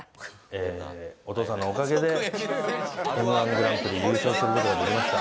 えお父さんのおかげでＭ−１グランプリ優勝する事ができました。